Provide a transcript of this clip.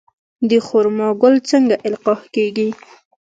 د خرما ګل څنګه القاح کیږي؟